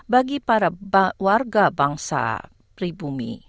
bagi para warga bangsa pribumi